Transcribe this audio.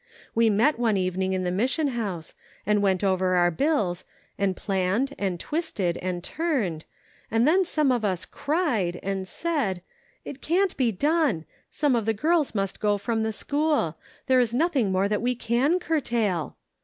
We met one evening in the mission house, and went over our bills, and planned, and twisted, and turned, and then some of us cried and said :' It can not be done. Some of the girls mast go from the school. There is nothing more that we can curtail.'